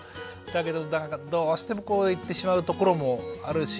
だけどどうしてもこう言ってしまうところもあるし。